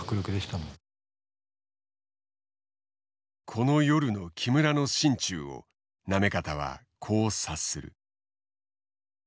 この夜の木村の心中を行方はこう察する。